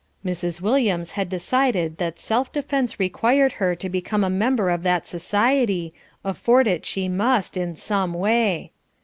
Mrs. Williams had decided that self defence required her to become a member of that society, afford it she must, in some way.